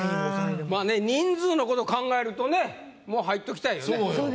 まぁね人数のこと考えるとねもう入っときたいよね。